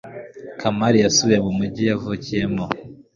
kamari yasubiye mu mujyi yavukiyemo